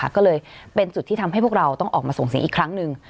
ก็เลยเป็นจุดที่ทำให้พวกเราต้องออกมาส่งเสียงอีกครั้งหนึ่ง